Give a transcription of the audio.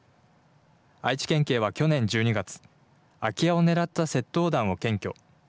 愛知県警は去年１２月、空き家を狙った窃盗団を検挙。